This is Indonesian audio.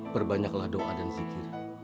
berbanyaklah doa dan zikir